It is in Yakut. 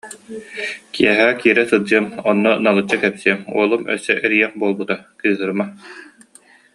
Киэһэ киирэ сылдьыам, онно налыччы кэпсиэм, уолум өссө эрийиэх буолбута, кыыһырыма